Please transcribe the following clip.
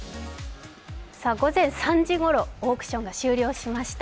午前３時ごろ、オークションが終了しました。